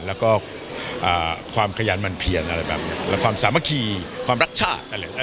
แล้วก็ความขยันมันเพียงและความสามัคคีความรักชาติ